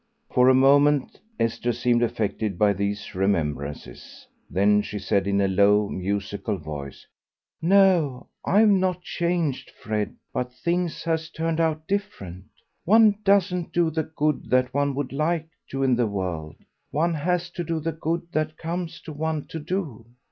For a moment Esther seemed affected by these remembrances. Then she said in a low, musical voice "No, I've not changed, Fred, but things has turned out different. One doesn't do the good that one would like to in the world; one has to do the good that comes to one to do.